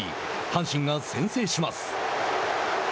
阪神が先制します。